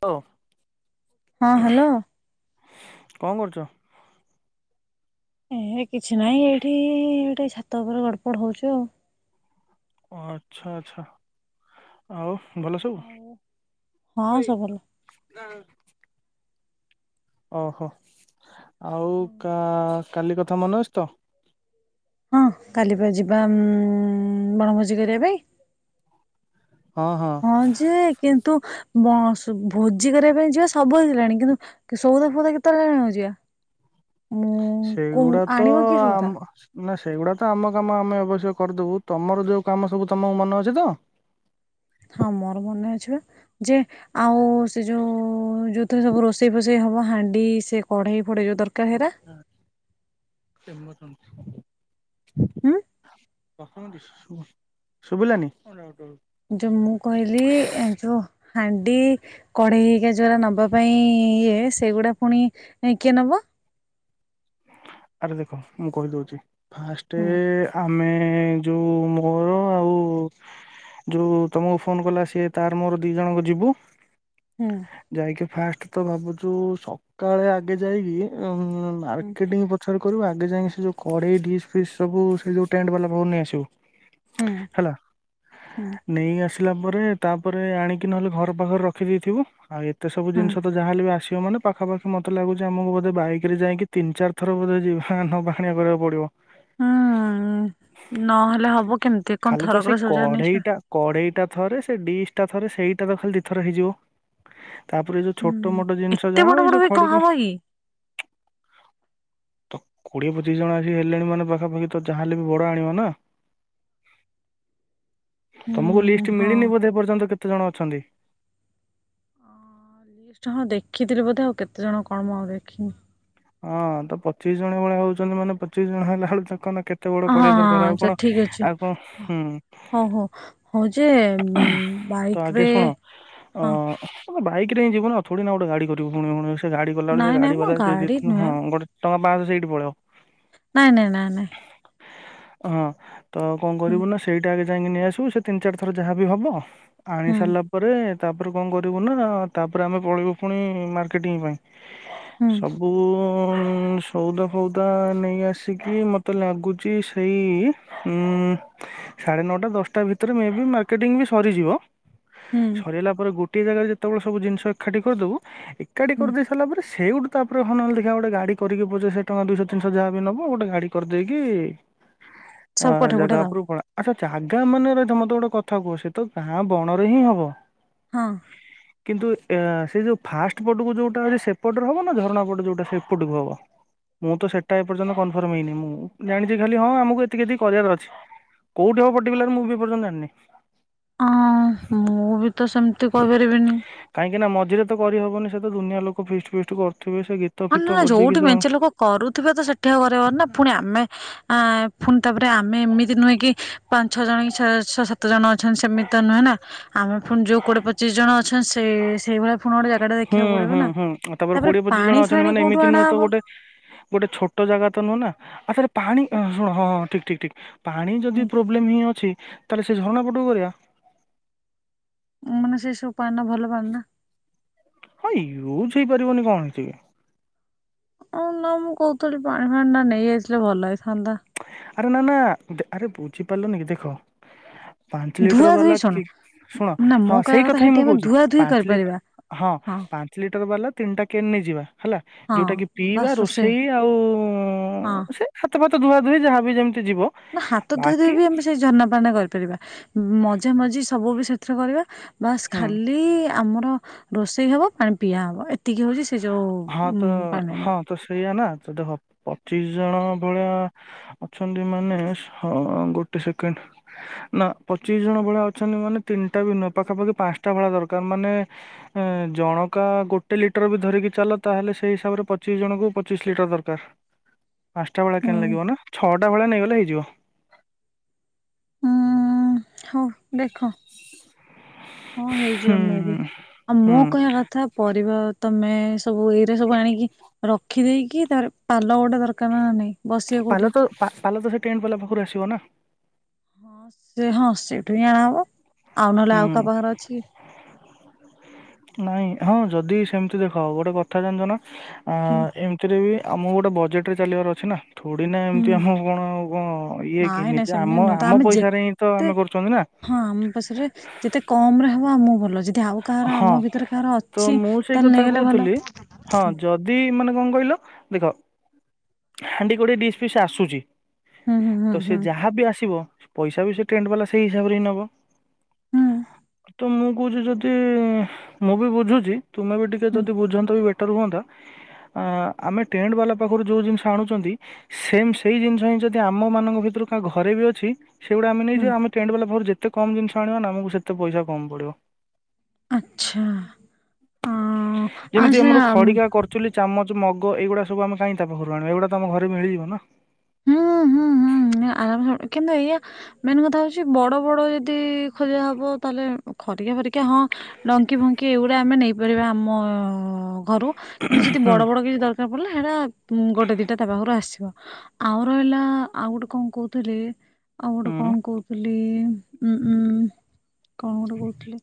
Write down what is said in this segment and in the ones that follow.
ହ ହଁ ହ୍ୟାଲୋ କଣ କରୁଛ? ଏ କିଛି ନାହିଁ ଏଇଠି ଟିକେ ଛାତ ଉପରେ ଗଡ଼ପଡ ହଉଛି ଆଉ ଆଚ୍ଛା ଆଚ୍ଛା ଆଉ ଭଲ ଆଉ। ହଁ ସବୁ। ସବୁ ଭଲ। ଓହୋ ଆଉ କା ଆ କାଲି କଥା ମନେ ଅଛି ତ? ହଁ କାଲି ବା ଯିବା ଉମ୍ ବଣଭୋଜି କରିବା ପାଇଁ ହଁ ଯେ କିନ୍ ତୁ ବଣ ଭୋଜି କରିବା ପାଇଁ ଯିବା ସବୁ ଆସିଲାଣି କିନ୍ତୁ ସଉଦା ଫଉଦା କେତେବେଳେ ଆଣିବାକୁ ଯିବା? ମୁଁ କୋଉ ସେଇଗୁଡା ତ ଆଣିବ କିଏ ସଉଦା? ଆମ [unintelligible] ସେଇଗୁଡା ତ ଆମ କାମ ଆମେ ଅବଶ୍ୟ କରିଦବୁ ତମର ଯୋଉ କାମ ସବୁ ତମକୁ ମନେ ଅଛି ତ? ହଁ ମୋର ମନେ ଅଛି ଯେ ଆଉ ସେ ଯୋଉ ଯୋଉଥିରେ ସବୁ ରୋଷେଇ ଫୋଷେଇ ହବ ହାଣ୍ଡି ସେ କଢେଇ ଭଡ଼େଇ ଯ ଦରକାର ହେରା [unintelligible] ହଁ ଶୁଭିଲାନି? ଯୋଉ ମୁଁ କହିଲି ଏ ଯୋଉ ହାଣ୍ଡି କଢେଇ ହେଇକା ଯୋଗୁରା ନବା ପାଇଁ ଇଏ ସେଇଗୁଡା ପୁଣି କିଏ ନବ? ଆରେ ଦେଖ ମୁଁ କହିଦଉଛି। ଫାଷ୍ଟ ହୁଁ ଆମେ ଯୋଉ ମୋର ଆଉ ଯୋଉ ତମକୁ ଫୋନ କଲା ସିଏ ତାର ମୋର ଦି ଜଣଙ୍କ ଯିବୁ। ହୁଁ ଯାଇକି ଫାଷ୍ଟ ତ ଭାବୁଛୁ ସକାଳେ ଆଗେ ଯାଇକି ହଁ ହୁଁ ମାର୍କେଟିଂ [unintelligible] ତେଣୁ କରି ଆଗେ ଯାଇଁକି ସେଯୋଉ କଡେଇ ଡିସ୍ ଫିସ୍ ସବୁ ସେ ଯୋଉ ଟେଣ୍ଟ ବାଲା ପାଖରୁ ନେଇ ଆସିବୁ। ହୁଁ ହେଲା ହୁଁ ନେଇ ଆସ। ଥିଲା ପରେ ତାପରେ ଆଣିକି ନହେଲେ ଘର ପାଖରେ ରଖିଦେଇଥିବୁ ଆଉ ତେ ସବୁ ହଁ ଜିନିଷ ତ ଯାହାହଲେ ବି ଆସିବ ମାନେ ପାଖାପାଖି ମତେ ଲାଗୁଛି ଆମକୁ ବୋଧେ ବାଇକରେ ଯାଇକି ତିନ ଚାର୍ [unintelligible] ପାଣି କରିବାକୁ ପଡ଼ିବ ହୁଁ ନହେଲେ ହବ କେମିତି କଣ ଖାଲି ତ ଥର ସେ କରେ ସବୁ ଯାଗ ନେଇଯିବା। କଢେଇଟା କଢେଇଟା ଥରେ ସେ ଡିସ୍ ଟା ଥରେ ସେଇଟା ତ ଖାଲି ଦିଥର ହେଇଯିବ। ତାପରେ ଏଇ ଯୋଉ ଛୋଟ ହୁଁ। ମୋଟ ଜିନିଷ ଏତେ ଯାହା ବଡ ହ ଏଇ ବଡ ଯୋଉ ବି କଣ ଖଡିିକା ହବ କି? ତ କୋଡିଏ ପଚିଶ ଜଣ ଆସି ହେଲେଣି ମାନେ ପାଖାପାଖି ତ ଯାହେଲେ ବି ବଡ ଆଣିବ ନା? ତମକୁ ହୁଁ ଲିଷ୍ଟ ହଁ। ମିଳିନି ବୋଧେ ପର୍ଯ୍ୟନ୍ତ କେତେ ଜଣ ଅଛନ୍ତି। ଲ ହଁ ଦେଖିଥିଲି ବୋଧେ ଆଉ କେତେ ଜଣ କଣ ମୁଁ ଆଉ ଦେଖିନି। ହଁ ତ ପଚିଶ ଜଣ ଭଳିଆ ହଉଛନ୍ତି ମାନେ ପଚିଶ ଜଣ ହେଲା ବେଳୁ ଚକ। କେତେ ବଡ ହଁ ହଁ କରିବାେଇ ଦରକାର ଆଉ ଆଚ୍ଛା କଣ ଠିକ୍ ଅଛି। ଆଉ କଣ ହୁଁ। ହଉ ହଉ ହଉ ଯେ ତ ଆଗେ ବାଇକରେ ଶୁଣ ଅ ହଁ। ବାଇକ ହିଁ ଯିବ ନା ଛଡି ନା ଗୋଟ ଗାଡି କରିବ ପୁଣି ସେ ଗାଡି ଗଲା ବେଳେ ସେ ନାଇଁ ନାଇଁ ଗାଡି ମ ଗଲା ଦେଇେଇଥିଲୁ ନୁହେଁ ହଁ ଗୋଟେ। ଟଙ୍କା ପାଞ୍ଚଶହ ସେଇଠି ପଳେଇବ। ନାଇଁ ନାଇଁ ନାଇଁ ନାଇଁ ହଁ ତ କଣ ହୁଁ କରିବୁ ନା ସେଇଟା ଯାଇକି ନେଇ ଆଶିବୁ ସେ ତିନି ଚାର ଥର ର ଯାହାବି ହବ। ଆଣି ହୁଁ ସାରିଲା ପରେ। ତାପରେ କଣ କରିବୁ ନା ତାପରେ ଆମେ ପଳେଇବୁ ପୁଣି ମାର୍କେଟିଂ ପାଇଁ। ହୁଁ ସବୁଉ। ଉଁ ସଉଦା ଫଉଦା ନେଇ ଆସିକି ମତେ ଲାଗୁଛି ସେଇ ଉଁମ ସାଢ଼େ ନଅଟା ଦଶଟା ଭିତରେ ମେ ମାର୍କେଟିଂ ବି ସରିଯିବ। ହୁଁ ସରିଲା ପରେ ଗୋ ଗୋଟିଏ ଜାଗାରେ ଯେତେବେଳେ ସବୁ ଜିନିଷ ଏକାଠି କରିଦେବୁ। ଏକାଠି ହୁଁ କରିଦେଇ ସାରିଲା ପରେ ସେଉଟୁ ତାପରେ ହଁ ନଲେ ଦେଖା ଗୋଟେ ଗାଡି କରିକି ପଛେ ସେ ଟଙ୍କା ଦୁଶହ ତିନିଶହ ଯାହା ବି ନବ ଗୋଟେ ଗାଡି କରିଦେଇକି। ସବୁ ହଁ ପଠା ପଠା ଜାଗା ଦବ ଉପରୁ କୁ ପଳା ଆଚ୍ଛା ଆ ଆଗା ମାନରେ ତ ମତେ ଗୋଟେ କଥା କୁହ ସେ ତ ଗାଁ ବଣରେ ହିଁ ହବ। ହଁ। କିନ୍ତୁ ଏ ସେ ଯୋଉ ଫାଷ୍ଟ ପଟକୁ ଯୋଉଟା ଅଛି ସେପଟରେ ହବ ନା ଝରଣା ପଟ ଯୋଉଟା ସେପଟକୁ ହବ। ମୁଁ ତ ସେଟା ଏପର୍ଯ୍ୟନ୍ତ କନଫର୍ମ ହେଇନି ମୁଁ ଜାଣିଛି ଖାଲି ହଁ ଆମକୁ ଏତିକିତିକି କରିବାର ଅଛି କୋଉଠି ହବ ପର୍ଟିକୁଲାର ମୁଁ ବି ଏପର୍ଯ୍ୟନ୍ତ ଜାଣିନି। ହଁ ମୁଁ ବି ତ ସେମତି। କହିପାରିବିନି। କାଁକିନା ମଝିରେ କରି ହବନି ସେ ତ ଦୁିନିଆ ଲୋକ ଫିଷ୍ଟ ଫିଷ୍ଟ କରୁ ନ ନା ନା ଯୋଉଠି ମେଞ୍ଚେ ଲୋକ କରୁଥିବେ ତ ସେଠି ଆଉ କରିହବନି ନା ପୁଣି ଆମେ। ଆ ପୁଣି ତାପରେ ଆମେ ଏମିତି ନୁହେଁ କି ପାଞ୍ଚ ଛଅ ଜଣ କି ଛଅ ଛଅ ସାତ ଜଣ ଅଛନ୍ତି। ସେମିତି ତ ନୁହେଁ ନା ଆମେ ପୁଣି ଯୋଉ କୋଡିଏ ପଚିଶ ଜଣ ଅଛନ୍ତି ସେ ସେଇଭଳିଆ। ପୁଣି ଗୋଟେ ଜାଗାଟା ହୁଁ ଦେଖିବାକୁ ପଡିବ ହୁଁ ନା ହୁଁ ତାପରେ କୋଡିଏ ପଚିଶ ପାଣି ଜଣ ଅଛ ଫାଣି ମାନେ କୋଉଠୁ ଏମିତି ନୁହେଁ ତ ଅଣାହବ ଗୋଟେ ଗୋଟେ ଛୋଟ ଜାଗା ତ ନୁହେଁ ନା। ଆସରେ ପାଣି ଶୁଶୁଣ ହଁ ହଁ ଠିକ ଠିକ୍। ଠିକ୍। ପାଣି ଯଦି ପ୍ରୋବ୍ଲେମ ହିଁ ଅଛି। ତାହେଲେ ସେ ଝରଣା ପଟଉ କରିବା। ମାନେ ସେ ସବୁ ପାନ୍ ନା ଭଲ ପାନ୍ ନା। ହଁ ୟୁଜ ହେଇପାରିବନି କଣ ହେଇଚିକି। ଆ ନା ମୁଁ କହୁଥିଲି ପାଣି ଫାଣି ଟା ନେଇଆସିଲେ ଭଲ ହେଇଥାନ୍ତା। ଆରେ ନା ନା ଦେ ଆରେ ବୁଝିପାରିଲ ନ କି ଦେଖ। ପାଞ୍ଚ ଲିଟର ଧୁଆ ବାଲା ଧୁଇ ଶୁଣ କି ଶୁଣ ନା ହଁ ମୋ ସେଇ କହିବା କଥା ହିଁ ସେଠି ମୁଁ ଆମେ କହୁଛି ଧୁଆ ଧୁଇ ପାଞ୍ଚ ଲି କରିପାରିବା ହଁ ପାଞ୍ଚ ଲିଟର ବାଲା। ତିନିଟା କେନ୍ ନେଇ ଯିବା। ହେଲା ହଁ ଯୋଉଟା କି ପିଇବା ରୋଷେଇ ଆଉ ହଁ ସେ ହାତ ଫା ଧୁଆ ଧୁଇ ଯାହା ବି ଯେମତି। ନା ହାତ ଧୋଇଦ ବି ଆମେ ସେଇ ଯନପଳନା କରିପାରିବା। ମଜା ମଜି ସବୁ ବି ସେଥିରେ କରିବା। ବାସ୍ ହୁଁ ଖାଲି ଆମର ରୋଷେଇ ହବ ପାଣି ପିଆ ହବ ଏ ଏତିକି ହଉଛି ସେ ଯୋଉ ହଁ ଉଁ ତ ପାଣ ହଁ ତ ସେଇଆ ନା ତ ଦେଖ ପଚିଶ ଜଣ ଭଳିଆ ଅଛନ୍ତି ମାନେ ହ ଗୋଟେ ସେକେଣ୍ଡ ନା ପଚିଶ ଜଣ ଭଳିଆ ଅଛନ୍ତି ମାନେ ତିନିଟା ବି ନୁହେଁ ପାଖାପାଖି ପାଞ୍ଚଟା ଭଳିଆ ଦରକାର ମାନେ ଜଣକା ଗୋ ଗୋଟେ ଲିଟର ବି ଧରିକି ଚାଲ ତାହେଲେ ସେଇ ହିସାବରେ ପଚିଶ ଜଣଙ୍କୁ ପଚିଶ ଲିଟର ଦରକାର। ପାଞ୍ଚଟା ବେଳେ କେ ଲାଗିବ ନା ଛଅଟା ଟା ଭଳିଆ ନେଇଗଲେ ହେଇଯିବ। ଉଁ ହଉ ଦେଖ ହଁ ହୁଁ ହେଇଯିବମେ ବି ଆଉ ହୁଁ ମୋ କହିବା କଥା ପରିବା ତମେ ସବୁ ଏଇରେ ସବୁ ଆଣିକି ରଖିଦେଇକି ତାରେ ପାଲ ଗୋଟେ ଦରକାର ନା ନାଇଁ ବସିବା କୋଉଠି ପାଲ ତ ପାଲ ତ ସେ ଟ୍ରେଟ ବାଲା ପାଖରୁ ଆସିବ ନା ହଁ ସେ ହଁ ସେଇଠୁ ହିଁ ଆଣାହବ ଆଉ ନହେଲେ ହୁଁ ଆଉ କାହା ପାଖରେ ଅଛି। ନାଇଁ ହଁ ଯଦି ସେମିତି ଦେଖା ଗୋଟେ କଥା ଜାଣିଛ ନା ଅ ହୁଁ ଏମିତିରେ ବି ଆମକୁ ଗୋଟେ ବଜେଟ୍ ଚାଲିବାର ଅଛି ନା। ଥିଡି ନା ଏମିତି ହୁଁ ଆମ କଣ କଣ ଇଏ କି ନାଇଁ ନାଇଁ ନିଜେ ସେମିତି ଆମ ନୁହେଁ ତ ଆମ ଆମେ ପଇସାରେ ହିଁ ତ ଆମେ କରୁଛନ୍ତି ନା। ରେ ଯେତେ କମ ରେ ହବ ହ ମୁଁ ଭଲ ଯଦି ଆଉ କାହାର ହଁ ଆମ ଭିତରେ କାହାର ତ ଅଛି ମୁଁ ସେଇ ତାହେଲେ କଥା ନେଇଗଲେ ଭଲ କହୁଥିଲି ହଁ ଯଦି ମାନେ କଣ କହିଲ ଦେଖ ହାଣ୍ଡି ଗୋଟଏ ଡିସ୍ ପିସ୍ ଆସୁଛି। ହୁଁ ହୁଁ ତ ହୁଁ ସେ ହୁଁ ଯାହା ବି ଆସିବ ପଇସା ବି ସେ ଟ୍ରେଣ୍ଡ ବାଲା ସେଇ ହିସାବରେ ହିଁ ନବ। ହୁଁ। ତ ମୁଁ କହୁଛି ଯଦି ସେ ମୁଁ ବି ବୁଝୁଛି। ତୁମେ ବି ଟିକେ ହୁଁ ଯଦି ବୁଝନ୍ତ ବି ରୁହନ୍ତା ଆମେ ଟେଣ୍ଟ ବାଲା ପାଖରୁ ଯୋଉ ଜିନିଷ ଆଣୁଛନ୍ତି ସେମ ସେଇ ଜିନିଷ ହିଁ ଯଦି ଆମ ମାନଙ୍କ ଭିତରୁ କା ଘରେ ବି ଅଛି ସେଗୁଡା ଆମେ ହୁଁ ନେଇଯିବା ଆମେ ଟେଣ୍ଡ ବାଲା ପାଖରୁ ଯେତେ କମ ଜିନିଷ ଆଣିବ ନା ଆମକୁ ସେତେ ପଇସା କମ ପଡିବ। ଆଚ୍ଛା ଅ ଯେମିତି ଆମର ଆଚ୍ଛା ଖଡିକା କରୁଚୁଲି ଚାମଚ ଯୋଉମଗ ଏଗୁଡା ସବୁ ଆମେ କହିଁ ତା ପାଖରୁ ଆଣିବା ଏଇଗୁଡା ତ ଆମ ଘରେ ମିଳିଯିବ ନା ହୁଁ ହୁଁ ହୁଁ ଆରାମ କିନ୍ତୁ ଏଇଆ ମେନ୍ କଥା ହଉଛି ବଡ ବଡ ଯଦି ଖୋଜା ହବ ତାହେଲେ ଖରିକିଆ ଫରିକିଆ ହଁ ଡଙ୍କି ଫଙ୍କି ଏଇଗୁଡା ଆମେ ନେଇପାରିବା ଆମ ଘରୁ କିନ୍ତୁ ଯଦି ହୁଁ ବଡ ବଡ କି ଦରକାର ପଡିଲ ସେଟା ଗୋଟେ ଦିଟା ତା ପାଖରୁ ଆସିବ। ଆଉ ରହିଲା ଆଉ ଗୋଟେ କଣ କହୁଥିଲି। ଆଉ ଗୋଟେ ହୁଁ କଣ କହୁଥିଲଥିଲେ। [inaudible] ଉଁ ଉ କଣ ଗୋଟେ କହୁଥିଲେ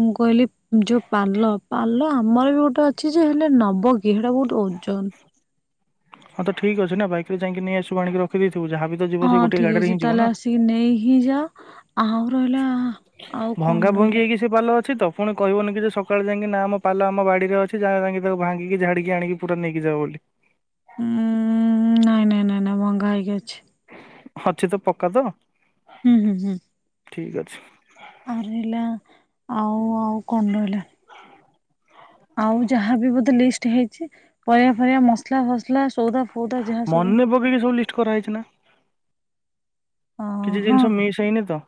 ମୁଁ କହିଲି ଯୋଉ ପାଲ ପାଲ ଆମର ବି ଗୋଟେ ଅଛି ଯେ ହେଲେ ନବକୀ ହେଟା ବହୁତ ଓଜନ ହଁ ତ ଠିକ ଅଛି ନାାଇକରେ ଯାଇକି ନେଇ ଆସୁ ଆଣି ରଖି ଦେଇେଇ ହଁ ଠିକ ଅଛି ତାହେଲେ ଆସିକି ନେଇ ହିଁ ଯାଅ ଆରଲା ଆଉ କଣ ଭଙ୍ଗା ଭଙ୍ଗି ରହିଲା। ହେଇକି ସେ ପାଲ ଅଛି ତ ପୁଣି କହିବନି କି ଯେ ସକାଳେ ଯାଇକି ଆମ ପାଲ ଆମ ବାଡିରେ ଅଛି ଯା ଯାଇକି ତାକୁ ଭାଙ୍ଗିକି ଝାଡିକି ଆଣିକି ପୁରା ନେଇକି ଯାଉ ବୋଲି। ଉଁ ନାଇଁ ନାଇଁ ନାଇଁ ନାଇଁ ମହଙ୍ଗା ହେଇଗାଇଛି। ଅଛି ତ ପକ୍କା ତ। ହୁଁ ହୁଁ ହୁଁ। ଠିକ୍ ଅଛି। ଆଲା ଆଉ ଆଉ କଣ୍ ରହିଲା? ଆଉ ଯାହାବ ବୋଧେ ଲିଷ୍ଟ ହେଇଛି। ପରବା ଫରିବା ମସଲା ଫସଲା ସଉଦା ଫଉଦା ଯାହା ସବୁ କରହେଇଥିଲା। ଅ କିଛି ଜିନିଷ ମିଶ ହେଇନି ତ।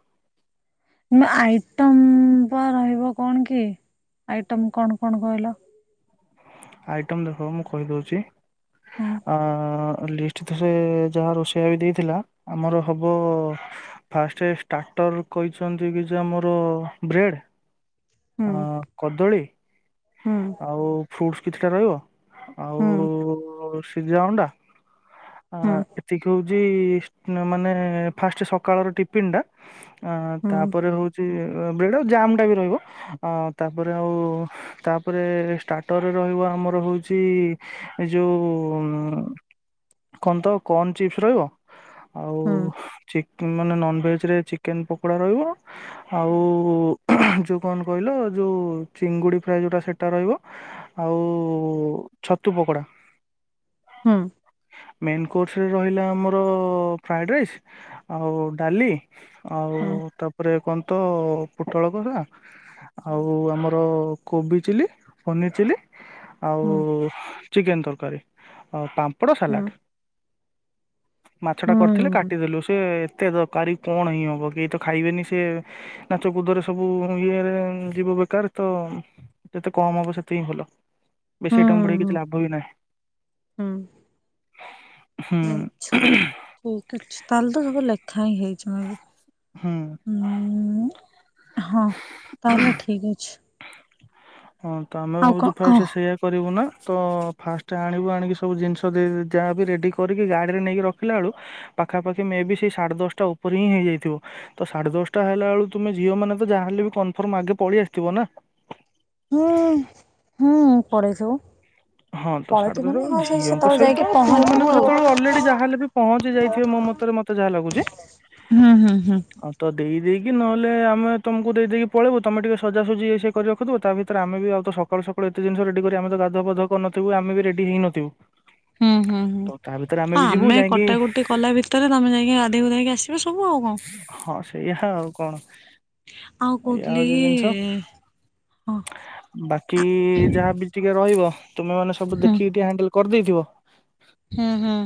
ଆଇଟମ ବା ରହିବ କଣ କି ଆଇଟମ କଣ କଣ କହିଲ। ଆଇଟମ ଦେଖ ମୁଁ କହିଦଉଛି। ହୁଁ ଅ ଲିଷ୍ଟ ତ ସେ ଯାହା ରୋଷେଇ ବି ଦେଇଥିଲା ଆମର ହବ ଫାଷ୍ଟ ଷ୍ଟାର୍ଟର କହିଛନ୍ତି କି ଯେ ଆମର ବ୍ରେଡ଼୍ ହୁଁ ଅ କଦଳୀ। ହୁଁ ଆଉ ଫ୍ରୁଟ କିଛିଟା ରହିବ। ଆଉ ହୁଁ ସିଝା ଅଣ୍ଡା। ଆ ଏତିକି ହଉ। ମାନେ ଫାଷ୍ଟ ସକାଳ ଟିଫିନ ଟା ଅ ହୁଁ ତାପରେ ହଉ ବ ଆ ଜାମ ଟା ବି ରହିବ ତାପରେ ଆଉ ତା ତାପରେ ଷ୍ଟାର୍ଟରରେ ରହିବ ଆମର ହଉଛି ଏ ଯୋଉ କନ୍ ତ କର୍ଣ ଚିପ୍ସ ରହିବ। ଆଉ ହୁଁ ଚିକ ମାନେ ନନଭେଜ ରେ ଚିକେନ ପକୋଡ଼ା ରହିବ। ଆଉ ଯୋଉ କଣ କହିଲ ଯୋଉ ଚିଙ୍ଗୁଡି ଫା ଯୋଉଟା ସେ ଟା ରହିବ ଆଉ ଛତୁ ପକୋଡା ହଁ ମେନ୍ କୋର୍ସରେ ରହିଲା ଆମର ଫ୍ରାଏଡ଼ ରାଇସ୍ ଆଉ ଡାଲି ଆଉ ହୁଁ ହୁଁ ତାପରେ କଣ ତ ହଉ ପୋଟଳ କଥା ଆଉ ଆମର କୋବି ଚିଲୀ ପନିର୍ ଚିଲି ଆଉ ଚିକେନ ତର କରେ ତାମ୍ ପଡ଼ ହୁଁ ସାଲାଡ଼ ମାଛ ଟା ହୁଁ କରିଥିଲେ ହୁଁ କାଟିଦେଲୁ ସେ ଏତେ କି କଣ ହିଁ ହବ କେହି ତ ଖାଇବେନି ସେ ନାଚ କୁଦରେ ସବୁ ଇଏରେ ଯିବ ବେକାର ତ ଯେ କମ ହବ ସେଥି ହିଁ ଭଲ ବ ହଁ ହ ହୁଁ ହୁଁ ଆଛା ଠିକ ଅଛି ତାହଲେ ତ ସବୁ ଲେଖା ହିଁ ହେଇ ମେ ବି ହୁଁ ହ ହଁ ତାହଲେ ଠିକ ଅଛି। ହଁ ତ ଆମେ ଆଉ କଣ ଭାବୁଛୁ ଓହ ଫାଷ୍ଟ ସେଇୟଆ କରିବୁ ନା। ତ ଫାଷ୍ଟ ଆଣିବୁ ଆଣିକି ସବୁ ଜିନିଷ ଯାହା ବି ରେଡି କରିକି ଗାଡିରେ ନେଇକି ରଖିଲା ବେଳୁ ପାଖାପାଖି ମେ ବି ସେଇ ସାଢେ ଦଶଟା ଉପରେ ହିଁ ହେଇଯାଇଥିବ। ତ ସାଢେ ଦଶଟା ହେଲା ବଳୁ ତୁମେ ଝିଅ ମାନେ ତ ଯାହାହଲେ ବି କନଫର୍ମ ଆଗ ପଳେଇ ଆସିଥିବ ନା। ହୁଁ ହୁଁ ପଳେଇଥିବୁ। ହଁ ତ ସାଢେ ପଳେଇଥିବୁନି ଦଶଟ ହଁ ସେଇ ଝିଅଙ୍କ ସେତେବେଳେ ଯାଇକି ସହିତ ପୁଅ ମାନେ ପହଞ୍ଚିବୁ ବି ଆଉ ସେତେବେଳେ ଅଲରେଡି ଯାହାେଲେ ବି ପହଞ୍ଚି ଯାଇଥିବେ ମୋ ମତ ମତେ ଯାହା ଲାଗୁଛି। ଯେ ହୁଁ ହୁଁ ହୁଁ ହଉ ତ ଦେଇ ଦେଇକି କି ନହେଲେ ଆମେ ତମକୁ ଦେଇ ଦେଇକି ପଳେଇବୁ ତମେ ଟିକେ ସଜାସଜି ଏଇ ସେ କରି ରଖିିବ ତା ଭିତରେ ଆମେ ଆଉ ସକାଳୁକାଳୁ ଏତେ ଜିନିଷ ରେଡ଼ି କରି ଆମେ ଗାଧୁଆ ପାଧୂଆ କରିନଥିବୁ ଆମେ ବି ରେଡି ହେଇନଥିବୁ। ହୁଁ ହୁଁ ହୁଁ ତ ତା ଭିତରେ ହ ବି ଯିବୁ ଆମେ ଯାଇକି କଟାକଟି କଲା ଭିତରେ ତମେ ଯାଇକ ଗାଧେଇଗୁଧାକି ଆସିବ ସବୁ ଆଉ କଣ ହଁ ସେଇଆ ହଁଉ କଣ? ଆଉ ଏଇା କହୁଥିଲି ହଉଛି କି ଜିନିଷ ହଁ ବାକି ଯାହାବି ଟିକେ ରହିବ ତୁମେମାନେ ସବୁ ଦେଖିକି ଟିକେ ହ୍ୟାଣ୍ଡଲ କରିଦେଇଥିବ। ହଁ ହଁ।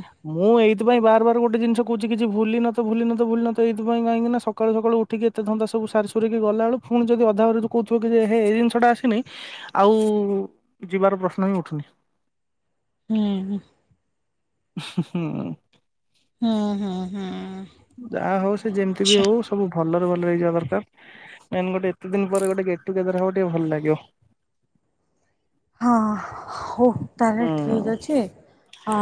ସେଥିପାଇ ବାର ବାର ଗୋଟେ ଜିନିସ୍ କହୁଛି କିଛି ଭୁଲିନଥିବ ଭୁଲିନଥିବ ଭୁଲିନଥି ସେଇଥିପାଇଁ କାହିଁକି ନା ସକାଳୁ ସକାଳୁ ଉଠିକି ଏତେ ଧନ୍ଦା ସବୁ ସାରି ସରିକି ଗଲାବେଳୁ ପୁଣି ଯଦି ଅଧା କହୁଥିବ କି ଯେ ହେ ଏଇ ଜିନିଷଟା ଆସିନି ଆଉ ଯିବାର ପ୍ରଶ୍ନ ହି ଉଠୁନି। ହୁଁ ହୁଁ ହଁ ହଁ ହଁ ଯାହା ହଉ ସେ ଯେମିତି ବି ହଉ ସବୁ ଭଲରେ ଭଲ ହୋଇଯିବା ଦରକାର କାଇଁ ଏତେ ଦିନ ପରେ ଗୋଟେ ଗେଟ ଟୁଗେଦର ହବ ଟିକେ ଭଲ ଲାଗିବ। ହଁ ହଉ ହୁଁ ତାହେଲେ ଠିକ ଅଛି ଅ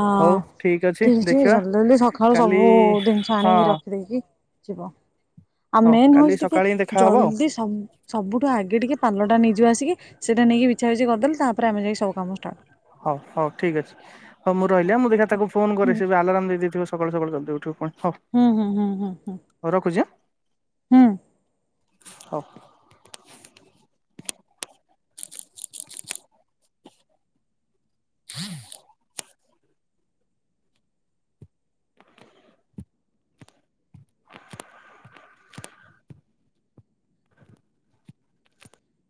ଠିକ ଅଛି ଜଲଦି ଜଲଦି ସକାଳୁ କାଲି ସବୁ ଜିନିଷ। ହଁ ଆଣିକି ରଖିଦେଇକି ଯିବ ଆଉ ହଉ ମେନ୍ କାଲି ହଉଛି ଟିକେ ସକାଳେ ହିଁ ଦେଖାହବ ଆଉ ଜଲଦି ସ ସବୁଠୁ ଆଗେ ଟିକେ ପାଲଟା ନେଇଯିବା ଆସିକି ସେଇଟା ନେଇକି ବିଛାବିଛି କରିଦେଲେ ତାପରେ ଆମେ ଯାଇକି ସବୁ କାମ ଷ୍ଟାଟ୍ ହଉ ହଉ ଠିକ ଅଛି। ହଁ ମୁଁ ହଉ ରହିଲି ମୁଁ ଦେଖ ତାକୁ ଫୋନ ହୁଁ କରେ ସେ ବି ଆଲାରମ୍ ଦେଇ ଦେଇଥିବ। ସକାଳୁ ସକାଳୁ ଜଲ୍ଦୀ ଉଠିବ ଫୁଣି। ହୁଁ ହୁଁ ହୁଁ ହୁ ହ ହୁଁ ହଁ [inaudible] [unintelligible]